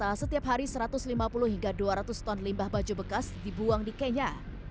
rata rata setiap hari satu ratus lima puluh hingga dua ratus ton limbah baju bekas dibuang di kenya